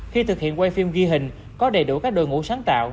khi thực hiện quay phim ghi hình có đầy đủ các đội ngũ sáng tạo